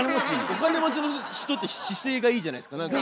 お金持ちの人って姿勢がいいじゃないですか何か。